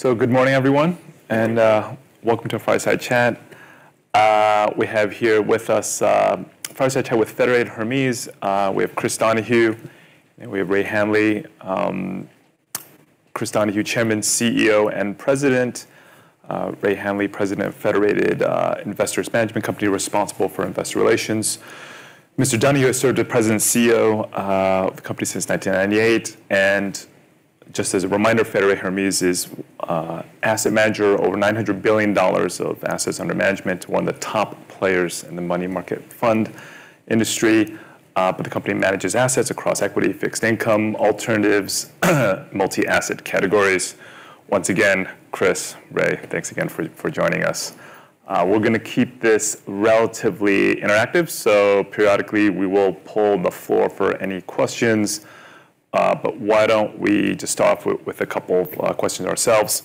Good morning, everyone, and welcome to Fireside Chat. We have here with us Fireside Chat with Federated Hermes. We have Chris Donahue and Ray Hanley. Chris Donahue, Chairman, CEO, and President. Ray Hanley, President of Federated Investment Management Company, responsible for investor relations. Mr. Donahue has served as president and CEO of the company since 1998. Just as a reminder, Federated Hermes is asset manager, over $900 billion of assets under management, one of the top players in the money market fund industry. The company manages assets across equity, fixed income, alternatives, multi-asset categories. Once again, Chris, Ray, thanks again for joining us. We're gonna keep this relatively interactive, so periodically we will poll the floor for any questions. Why don't we just start off with a couple of questions ourselves.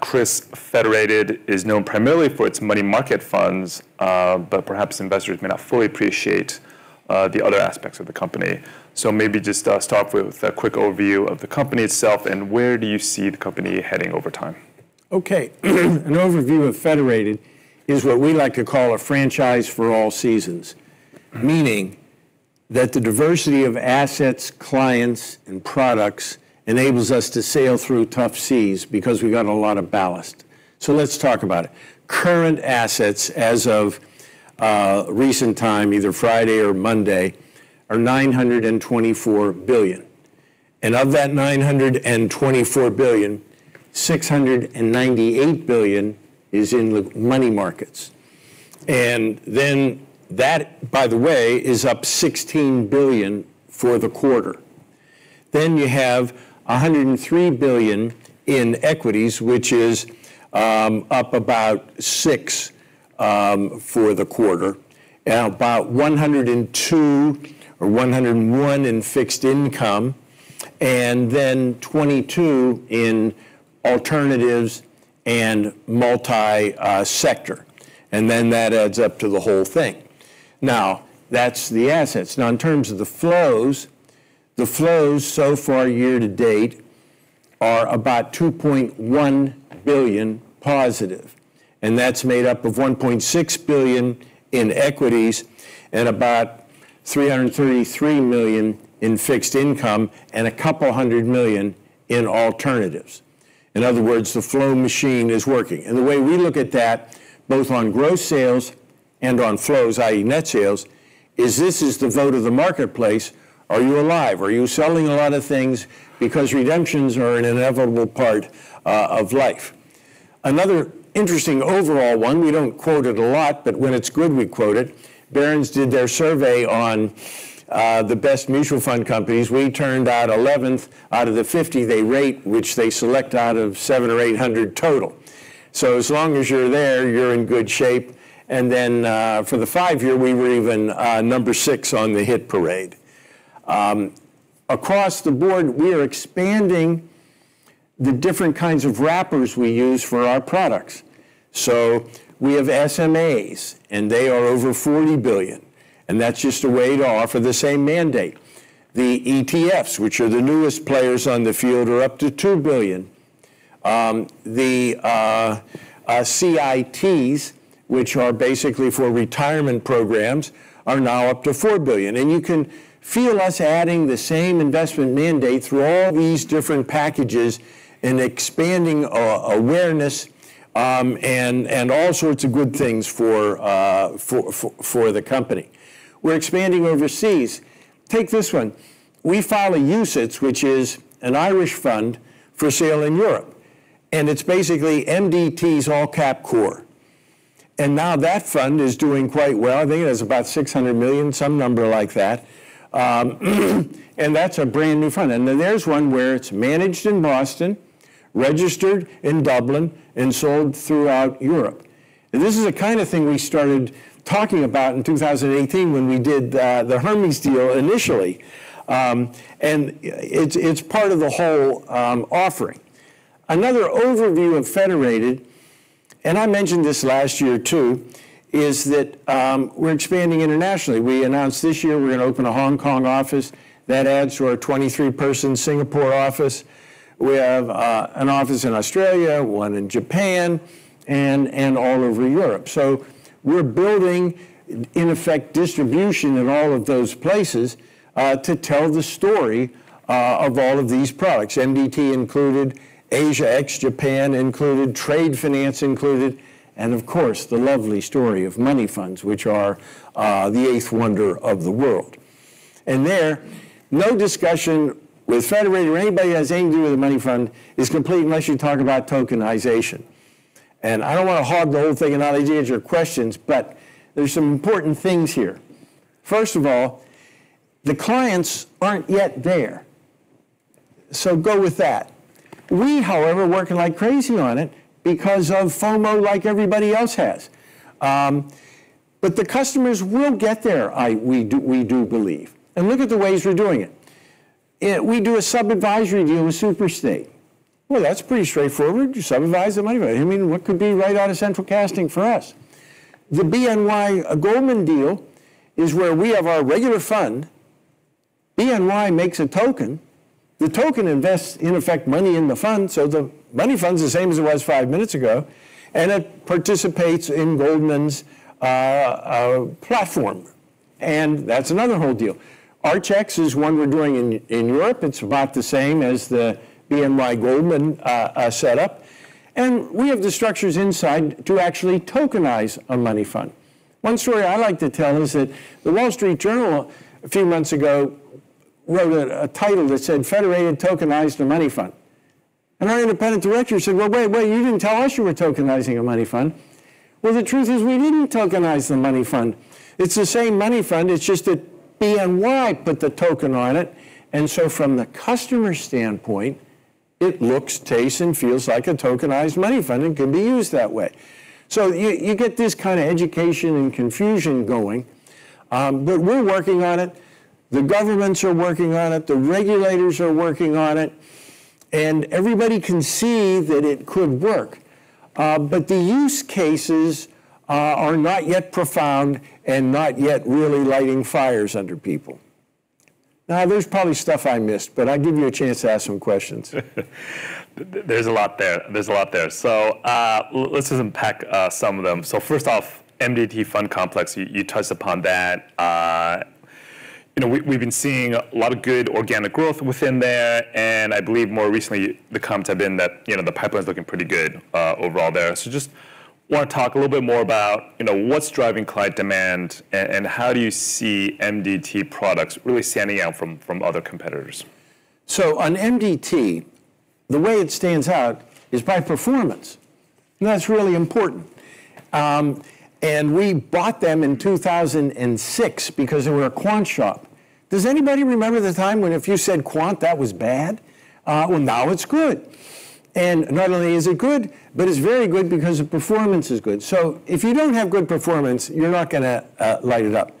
Chris, Federated is known primarily for its money market funds, but perhaps investors may not fully appreciate the other aspects of the company. Maybe just start off with a quick overview of the company itself, and where do you see the company heading over time? Okay. An overview of Federated is what we like to call a franchise for all seasons, meaning that the diversity of assets, clients, and products enables us to sail through tough seas because we got a lot of ballast. Let's talk about it. Current assets as of recent time, either Friday or Monday, are $924 billion. Of that $924 billion, $698 billion is in the money markets. Then that, by the way, is up $16 billion for the quarter. Then you have $103 billion in equities, which is up about $6 billion for the quarter. About $102 billion or $101 billion in fixed income, and then $22 billion in alternatives and multi sector. Then that adds up to the whole thing. Now, that's the assets. Now in terms of the flows, the flows so far year to date are about $2.1 billion positive, and that's made up of $1.6 billion in equities and about $333 million in fixed income and a couple hundred million in alternatives. In other words, the flow machine is working. The way we look at that, both on gross sales and on flows, i.e. net sales, is this is the vote of the marketplace. Are you alive? Are you selling a lot of things? Because redemptions are an inevitable part of life. Another interesting overall one, we don't quote it a lot, but when it's good, we quote it. Barron's did their survey on the best mutual fund companies. We turned out 11th out of the 50 they rate, which they select out of 700 or 800 total. As long as you're there, you're in good shape. For the five-year, we were even number six on the hit parade. Across the board, we're expanding the different kinds of wrappers we use for our products. We have SMAs, and they are over $40 billion, and that's just a way to offer the same mandate. The ETFs, which are the newest players on the field, are up to $2 billion. The CITs, which are basically for retirement programs, are now up to $4 billion. You can feel us adding the same investment mandate through all these different packages and expanding awareness, and all sorts of good things for the company. We're expanding overseas. Take this one. We file a UCITS, which is an Irish fund for sale in Europe, and it's basically MDT's All Cap Core. Now that fund is doing quite well. I think it has about $600 million, some number like that. That's a brand-new fund. Then there's one where it's managed in Boston, registered in Dublin, and sold throughout Europe. This is the kind of thing we started talking about in 2018 when we did the Hermes deal initially. It's part of the whole offering. Another overview of Federated, and I mentioned this last year too, is that we're expanding internationally. We announced this year we're gonna open a Hong Kong office. That adds to our 23-person Singapore office. We have an office in Australia, one in Japan, and all over Europe. We're building, in effect, distribution in all of those places to tell the story of all of these products, MDT included, Asia ex-Japan included, trade finance included, and of course, the lovely story of money funds, which are the eighth wonder of the world. There, no discussion with Federated or anybody that has anything to do with the money fund is complete unless you talk about tokenization. I don't want to hog the whole thing and not let you answer your questions, but there's some important things here. First of all, the clients aren't yet there, so go with that. We, however, are working like crazy on it because of FOMO like everybody else has. The customers will get there, we do believe. Look at the ways we're doing it. We do a sub-advisory deal with Superstate. Well, that's pretty straightforward. You sub-advise the money. I mean, what could be right out of central casting for us? The BNY, Goldman deal is where we have our regular fund. BNY makes a token. The token invests, in effect, money in the fund, so the money fund's the same as it was five minutes ago, and it participates in Goldman's platform. That's another whole deal. Archax is one we're doing in Europe. It's about the same as the BNY Goldman setup. We have the structures inside to actually tokenize a money fund. One story I like to tell is that The Wall Street Journal a few months ago wrote a title that said, "Federated Tokenized a Money Fund." Our independent director said, "Well, wait, you didn't tell us you were tokenizing a money fund." Well, the truth is we didn't tokenize the money fund. It's the same money fund, it's just that BNY put the token on it. From the customer standpoint, it looks, tastes, and feels like a tokenized money fund and can be used that way. You get this kinda education and confusion going. But we're working on it. The governments are working on it. The regulators are working on it. Everybody can see that it could work. But the use cases are not yet profound and not yet really lighting fires under people. Now, there's probably stuff I missed, but I'll give you a chance to ask some questions. There's a lot there. Let's just unpack some of them. First off, MDT fund complex, you touched upon that. You know, we've been seeing a lot of good organic growth within there, and I believe more recently the comments have been that, you know, the pipeline's looking pretty good overall there. Just wanna talk a little bit more about, you know, what's driving client demand and how do you see MDT products really standing out from other competitors? On MDT, the way it stands out is by performance. That's really important. We bought them in 2006 because they were a quant shop. Does anybody remember the time when if you said quant, that was bad? Well, now it's good. Not only is it good, but it's very good because the performance is good. If you don't have good performance, you're not gonna light it up.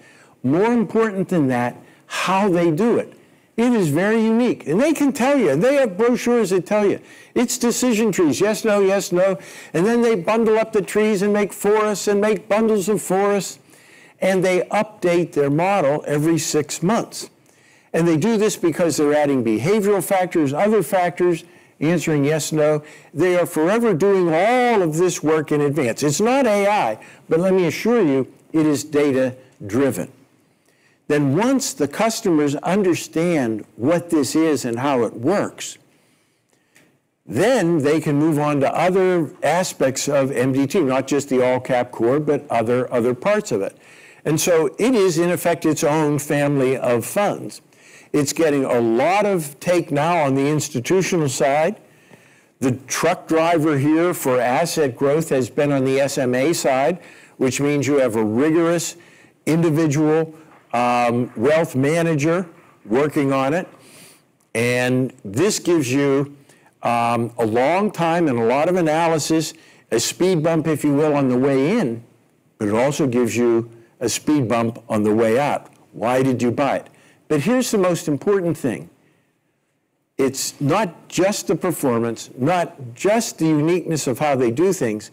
More important than that, how they do it. It is very unique. They can tell you. They have brochures that tell you. It's decision trees, yes, no, yes, no, and then they bundle up the trees and make forests and make bundles of forests, and they update their model every six months. They do this because they're adding behavioral factors, other factors, answering yes, no. They are forever doing all of this work in advance. It's not AI, but let me assure you, it is data-driven. Once the customers understand what this is and how it works, they can move on to other aspects of MDT, not just the All Cap Core, but other parts of it. It is, in effect, its own family of funds. It's getting a lot of traction now on the institutional side. The true driver here for asset growth has been on the SMA side, which means you have a rigorous individual wealth manager working on it. This gives you a long time and a lot of analysis, a speed bump, if you will, on the way in, but it also gives you a speed bump on the way up. Why did you buy it? Here's the most important thing. It's not just the performance, not just the uniqueness of how they do things.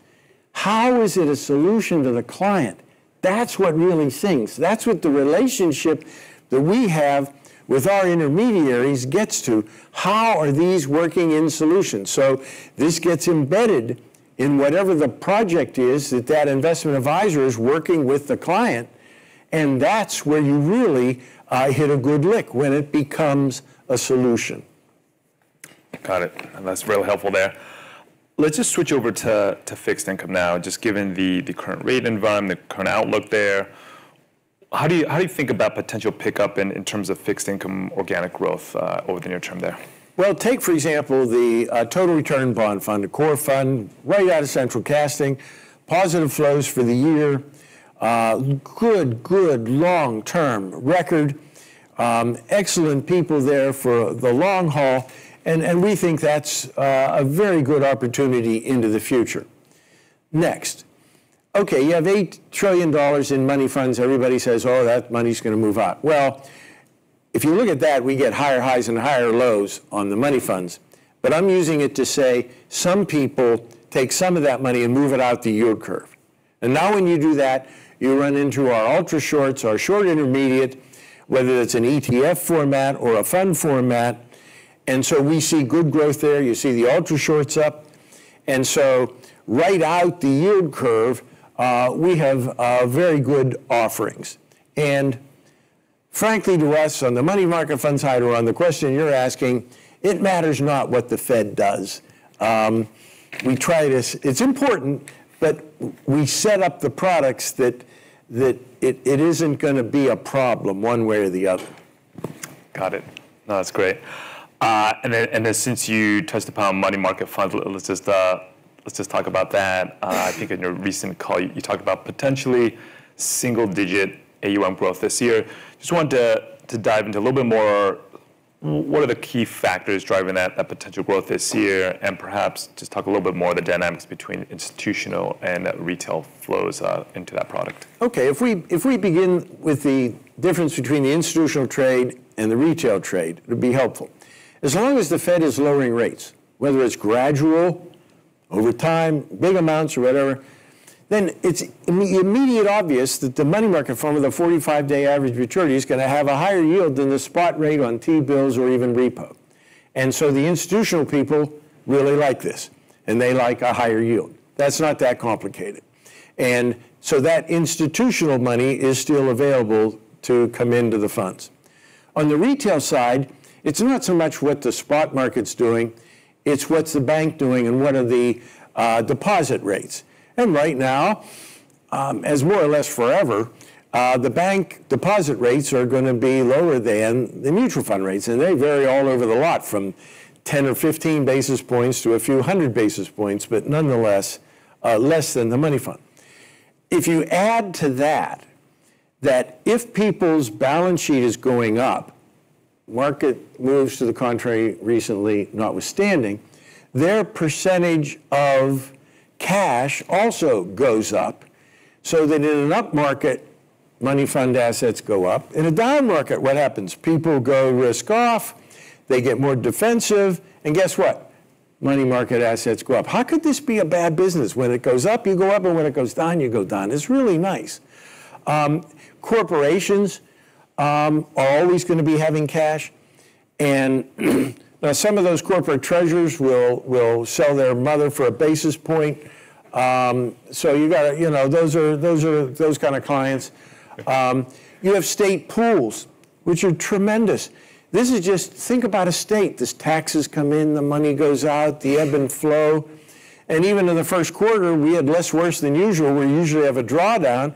How is it a solution to the client? That's what really sinks. That's what the relationship that we have with our intermediaries gets to. How are these working in solutions? This gets embedded in whatever the project is that that investment advisor is working with the client, and that's where you really hit a good lick, when it becomes a solution. Got it. That's real helpful there. Let's just switch over to fixed income now, just given the current rate environment, the current outlook there. How do you think about potential pickup in terms of fixed income organic growth over the near term there? Well, take for example the total return bond fund, the core fund, way out of central casting, positive flows for the year, good long-term record, excellent people there for the long haul, and we think that's a very good opportunity into the future. Next. Okay, you have $8 trillion in money funds. Everybody says, "Oh, that money's gonna move out." Well, if you look at that, we get higher highs and higher lows on the money funds, but I'm using it to say some people take some of that money and move it out the yield curve. Now when you do that, you run into our ultra shorts, our short intermediate, whether it's an ETF format or a fund format, and so we see good growth there. You see the ultra shorts up. Right out the yield curve, we have very good offerings. Frankly to us on the money market funds side or on the question you're asking, it matters not what the Fed does. It's important, but we set up the products that it isn't gonna be a problem one way or the other. Got it. No, that's great. Since you touched upon money market funds, let's just talk about that. I think in your recent call you talked about potentially single digit AUM growth this year. Just wanted to dive into a little bit more what are the key factors driving that potential growth this year, and perhaps just talk a little bit more the dynamics between institutional and retail flows into that product. Okay. If we begin with the difference between the institutional trade and the retail trade, it'll be helpful. As long as the Fed is lowering rates, whether it's gradual over time, big amounts or whatever, then it's immediately obvious that the money market funds of the 45-day average maturity is gonna have a higher yield than the spot rate on T-bills or even repo. The institutional people really like this, and they like a higher yield. That's not that complicated. That institutional money is still available to come into the funds. On the retail side, it's not so much what the spot market's doing, it's what's the bank doing and what are the deposit rates. Right now, as more or less forever, the bank deposit rates are gonna be lower than the mutual fund rates. They vary all over the lot from 10 or 15 basis points to a few hundred basis points, but nonetheless, less than the money fund. If you add to that if people's balance sheet is going up, market moves to the contrary recently notwithstanding, their percentage of cash also goes up, so that in an up market, money fund assets go up. In a down market, what happens? People go risk off, they get more defensive, and guess what? Money market assets go up. How could this be a bad business? When it goes up, you go up, and when it goes down, you go down. It's really nice. Corporations are always gonna be having cash. Now some of those corporate treasurers will sell their mother for a basis point. You gotta... You know, those are those kind of clients. You have state pools, which are tremendous. This is just. Think about a state. These taxes come in, the money goes out, the ebb and flow. Even in the first quarter, we had less worse than usual. We usually have a drawdown,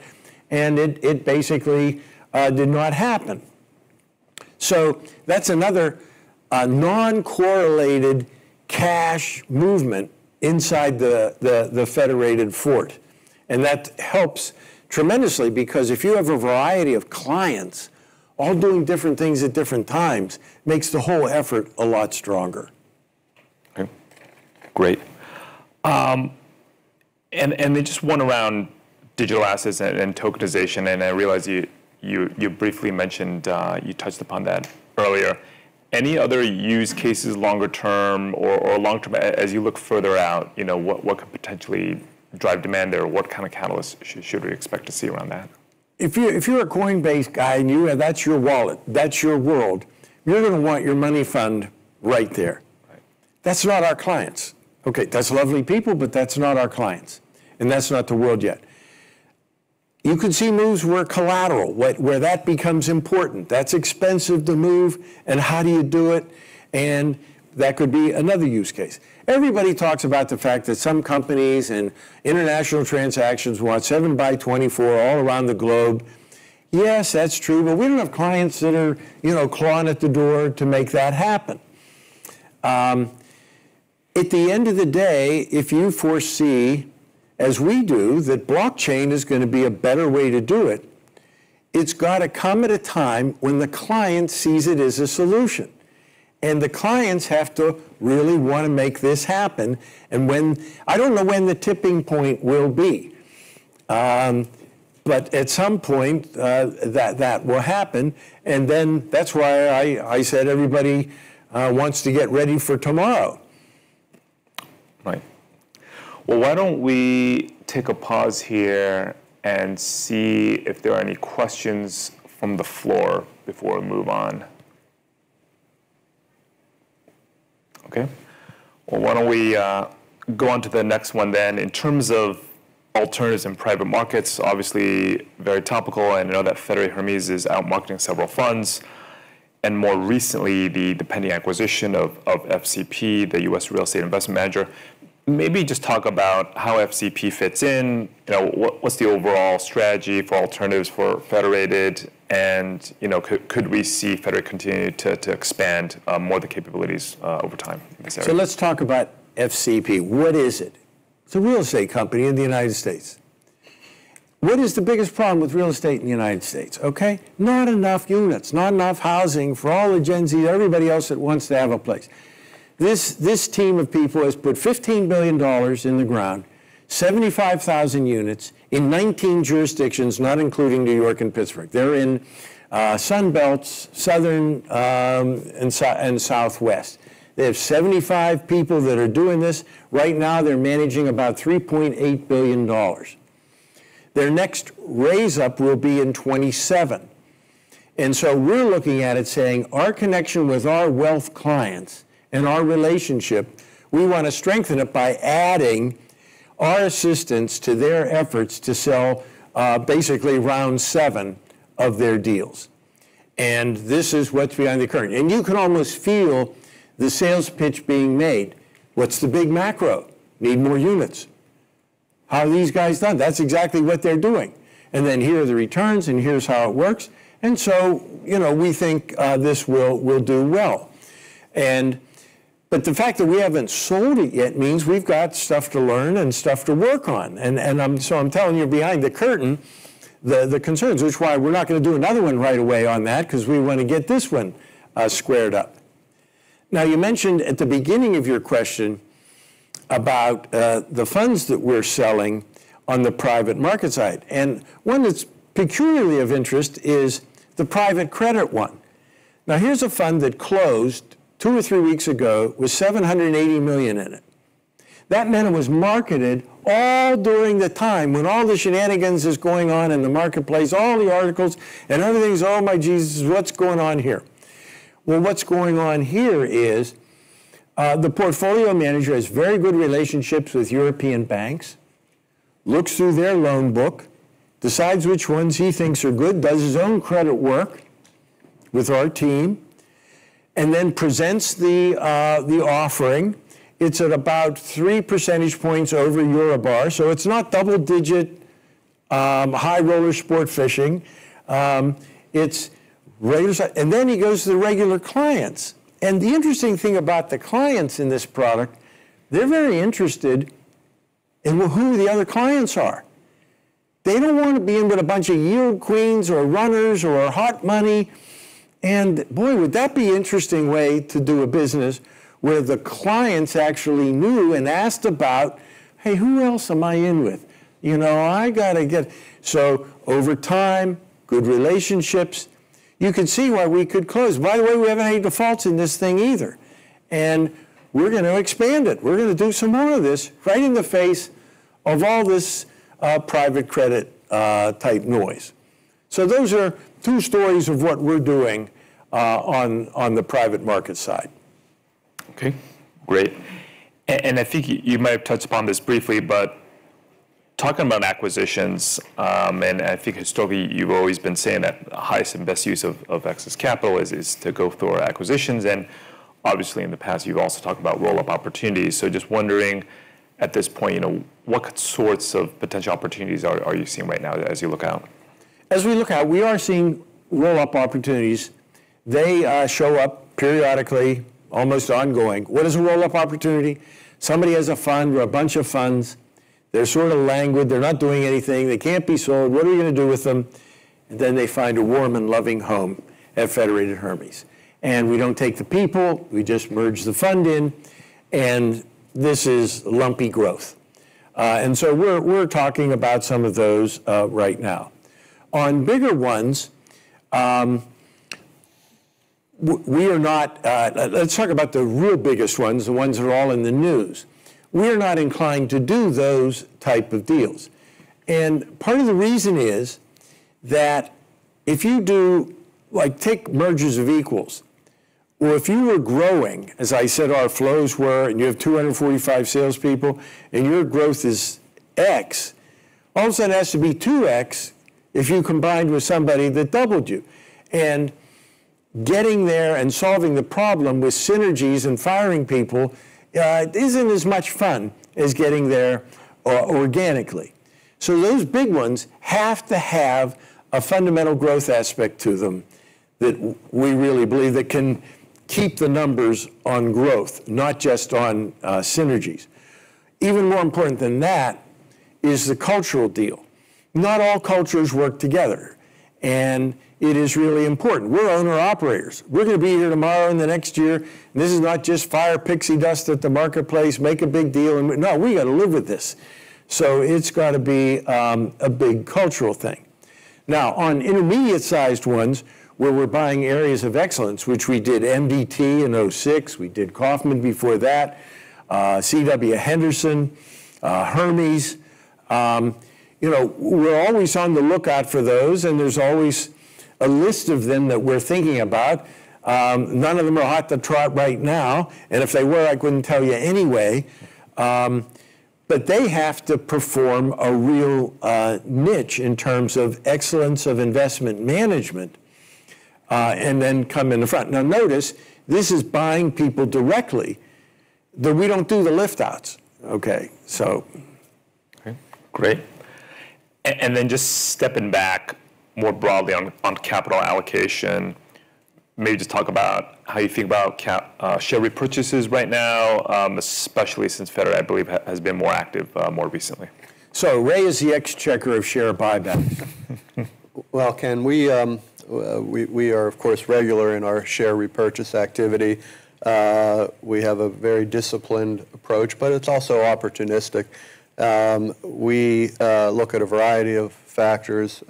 and it basically did not happen. That's another non-correlated cash movement inside the Federated fort. That helps tremendously because if you have a variety of clients all doing different things at different times, makes the whole effort a lot stronger. Okay. Great. Just one around digital assets and tokenization, and I realize you briefly mentioned you touched upon that earlier. Any other use cases longer term or long-term as you look further out, you know, what could potentially drive demand there? What kind of catalyst should we expect to see around that? If you're a Coinbase guy and that's your wallet, that's your world, you're gonna want your money fund right there. Right. That's not our clients. Okay, that's lovely people, but that's not our clients, and that's not the world yet. You could see moves where collateral, where that becomes important. That's expensive to move, and how do you do it? That could be another use case. Everybody talks about the fact that some companies and international transactions want 7 by 24 all around the globe. Yes, that's true, but we don't have clients that are, you know, clawing at the door to make that happen. At the end of the day, if you foresee, as we do, that blockchain is gonna be a better way to do it's gotta come at a time when the client sees it as a solution. The clients have to really wanna make this happen. I don't know when the tipping point will be. At some point, that will happen, and then that's why I said everybody wants to get ready for tomorrow. Right. Well, why don't we take a pause here and see if there are any questions from the floor before we move on? Okay. Well, why don't we go on to the next one then. In terms of alternatives in private markets, obviously very topical. I know that Federated Hermes is out marketing several funds, and more recently, the pending acquisition of FCP, the U.S. real estate investment manager. Maybe just talk about how FCP fits in. You know, what's the overall strategy for alternatives for Federated? And, you know, could we see Federated continue to expand more of the capabilities over time in this area? Let's talk about FCP. What is it? It's a real estate company in the United States. What is the biggest problem with real estate in the United States, okay? Not enough units, not enough housing for all the Gen Z, everybody else that wants to have a place. This team of people has put $15 billion in the ground, 75,000 units in 19 jurisdictions, not including New York and Pittsburgh. They're in Sun Belt, Southern, and Southwest. They have 75 people that are doing this. Right now, they're managing about $3.8 billion. Their next raise up will be in 2027. We're looking at it saying, our connection with our wealth clients and our relationship, we wanna strengthen it by adding our assistance to their efforts to sell, basically round seven of their deals. This is what's behind the curtain. You can almost feel the sales pitch being made. What's the big macro? Need more units. How are these guys done? That's exactly what they're doing. Here are the returns, and here's how it works. You know, we think this will do well. The fact that we haven't sold it yet means we've got stuff to learn and stuff to work on. I'm telling you behind the curtain the concerns, which is why we're not gonna do another one right away on that 'cause we wanna get this one squared up. Now, you mentioned at the beginning of your question about the funds that we're selling on the private market side. One that's peculiarly of interest is the private credit one. Now, here's a fund that closed two or three weeks ago with $780 million in it. That meant it was marketed all during the time when all the shenanigans is going on in the marketplace, all the articles and other things, oh my Jesus, what's going on here? Well, what's going on here is, the portfolio manager has very good relationships with European banks, looks through their loan book, decides which ones he thinks are good, does his own credit work with our team, and then presents the offering. It's at about 3 percentage points over EURIBOR, so it's not double-digit, high roller sport fishing, it's regular. Then he goes to the regular clients. The interesting thing about the clients in this product, they're very interested in who the other clients are. They don't want to be in with a bunch of yield queens or runners or hot money. Boy, would that be interesting way to do a business where the clients actually knew and asked about, "Hey, who else am I in with?" Over time, good relationships. You can see why we could close. By the way, we have no defaults in this thing either, and we're gonna expand it. We're gonna do some more of this right in the face of all this, private credit, type noise. Those are two stories of what we're doing, on the private market side. Okay, great. I think you might have touched upon this briefly, but talking about acquisitions, and I think, Stovie, you've always been saying that the highest and best use of excess capital is to go through our acquisitions. Obviously in the past, you've also talked about roll-up opportunities. Just wondering at this point, you know, what sorts of potential opportunities are you seeing right now as you look out? As we look out, we are seeing roll-up opportunities. They show up periodically, almost ongoing. What is a roll-up opportunity? Somebody has a fund or a bunch of funds. They're sort of languid. They're not doing anything. They can't be sold. What are you gonna do with them? Then they find a warm and loving home at Federated Hermes. We don't take the people, we just merge the fund in, and this is lumpy growth. We're talking about some of those right now. On bigger ones, we are not. Let's talk about the real biggest ones, the ones that are all in the news. We're not inclined to do those type of deals. Part of the reason is that if you do, like, take mergers of equals, or if you were growing, as I said, our flows were, and you have 245 salespeople, and your growth is X, all of a sudden it has to be 2X if you combined with somebody that doubled you. Getting there and solving the problem with synergies and firing people isn't as much fun as getting there organically. Those big ones have to have a fundamental growth aspect to them that we really believe that can keep the numbers on growth, not just on synergies. Even more important than that is the cultural deal. Not all cultures work together, and it is really important. We're owner-operators. We're gonna be here tomorrow and the next year. No, we gotta live with this. It's gotta be a big cultural thing. Now, on intermediate-sized ones, where we're buying areas of excellence, which we did MDT in 2006, we did Kaufmann before that, C.W. Henderson, Hermes, you know, we're always on the lookout for those, and there's always a list of them that we're thinking about. None of them are hot to trot right now, and if they were, I couldn't tell you anyway. They have to perform a real niche in terms of excellence of investment management, and then come in the front. Now notice, this is buying people directly, that we don't do the lift outs. Okay, so. Okay, great. Just stepping back more broadly on capital allocation, maybe just talk about how you think about share repurchases right now, especially since Federated, I believe, has been more active more recently. Ray Hanley is the architect of share buyback. Well, Ken, we are of course regular in our share repurchase activity. We have a very disciplined approach, but it's also opportunistic. We look at a variety of factors,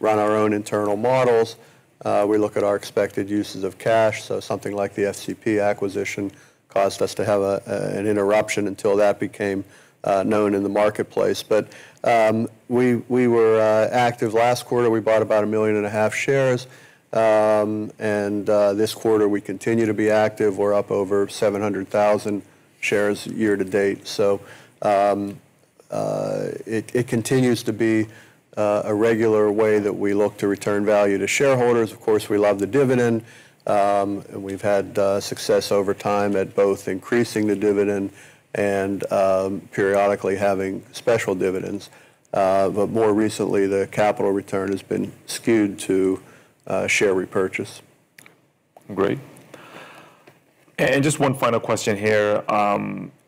run our own internal models. We look at our expected uses of cash, so something like the FCP acquisition caused us to have an interruption until that became known in the marketplace. We were active last quarter. We bought about 1.5 million shares, and this quarter we continue to be active. We're up over 700,000 shares year to date. It continues to be a regular way that we look to return value to shareholders. Of course, we love the dividend, and we've had success over time at both increasing the dividend and periodically having special dividends. More recently, the capital return has been skewed to share repurchase. Great. Just one final question here.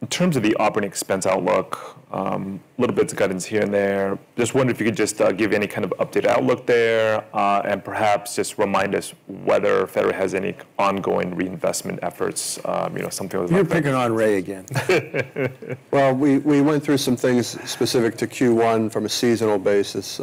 In terms of the operating expense outlook, little bits of guidance here and there. Just wonder if you could just give any kind of updated outlook there, and perhaps just remind us whether Federated has any ongoing reinvestment efforts, you know, something like that. You're picking on Ray again. Well, we went through some things specific to Q1 from a seasonal basis,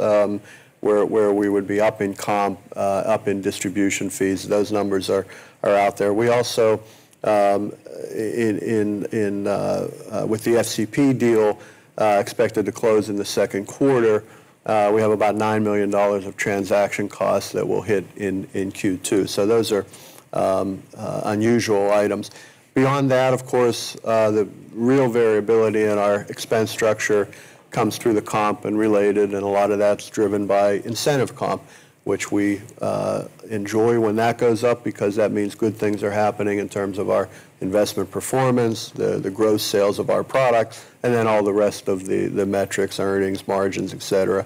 where we would be up in comp, up in distribution fees. Those numbers are out there. We also, with the FCP deal, expected to close in the second quarter, we have about $9 million of transaction costs that will hit in Q2. Those are unusual items. Beyond that, of course, the real variability in our expense structure comes through the comp and related, and a lot of that's driven by incentive comp, which we enjoy when that goes up because that means good things are happening in terms of our investment performance, the growth sales of our products, and then all the rest of the metrics, earnings, margins, et cetera.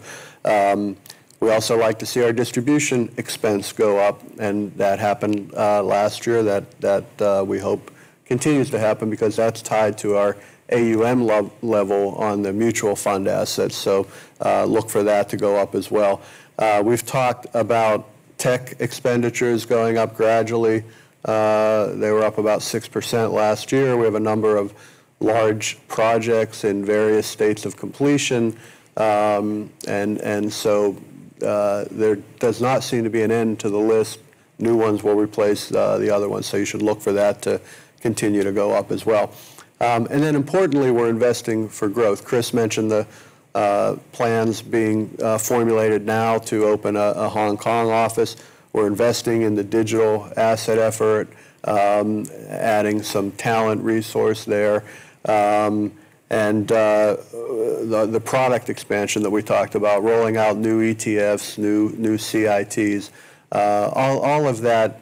We also like to see our distribution expense go up, and that happened last year. That we hope continues to happen because that's tied to our AUM level on the mutual fund assets. Look for that to go up as well. We've talked about tech expenditures going up gradually. They were up about 6% last year. We have a number of large projects in various states of completion. There does not seem to be an end to the list. New ones will replace the other ones, so you should look for that to continue to go up as well. Importantly, we're investing for growth. Chris mentioned the plans being formulated now to open a Hong Kong office. We're investing in the digital asset effort, adding some talent resource there. The product expansion that we talked about, rolling out new ETFs, new CITs, all of that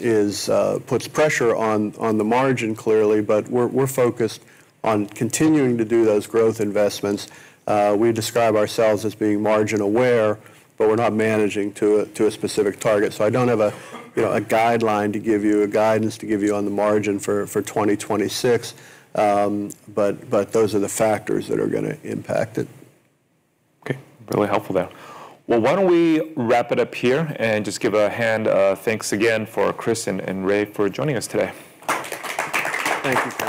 puts pressure on the margin, clearly. We're focused on continuing to do those growth investments. We describe ourselves as being margin aware, but we're not managing to a specific target. I don't have a, you know, a guideline to give you, a guidance to give you on the margin for 2026. Those are the factors that are gonna impact it. Okay. Really helpful there. Well, why don't we wrap it up here and just give a hand of thanks again for Chris and Ray for joining us today. Thank you.